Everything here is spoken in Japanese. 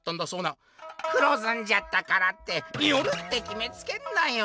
「黒ずんじゃったからって『夜』ってきめつけんなよ！」。